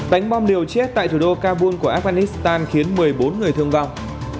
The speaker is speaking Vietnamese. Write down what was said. đánh bom liều chết tại thủ đô kabul của afghanistan khiến một mươi bốn người thương vong